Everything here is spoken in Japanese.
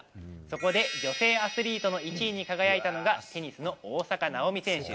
そこで女性アスリートの１位に輝いたのが、テニスの大坂なおみ選手。